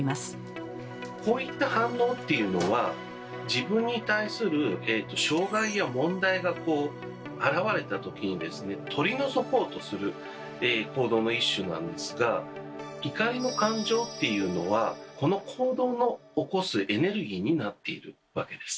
こういった反応っていうのは自分に対する障害や問題が現れた時に取り除こうとする行動の一種なんですが怒りの感情っていうのはこの行動の起こすエネルギーになっているわけです。